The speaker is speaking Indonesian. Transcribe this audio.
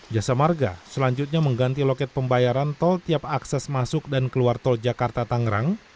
jasa marga selanjutnya mengganti loket pembayaran tol tiap akses masuk dan keluar tol jakarta tangerang